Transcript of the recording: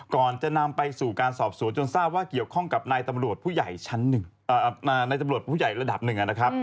ก่อนจะนำไปสู่การสอบสวนจนทราบว่าเกี่ยวข้องกับนายตำรวจผู้ใหญ่ระดับหนึ่ง